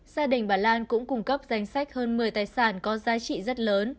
gia đình bà lan cũng cung cấp danh sách hơn một mươi tài sản có giá trị rất lớn